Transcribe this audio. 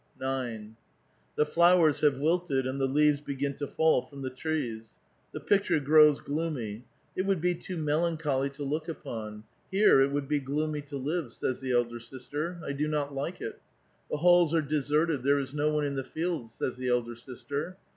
9. " The flowers have wilted, and ^he leaves begin to fall from the trees ; the picture grows gloomy ; it would be too melan choly to look upon ; here it would be gloomy to live," says the elder sister. " I do not like it. The halls are deserted ; there is no one in the fields," sa^s the elder sister.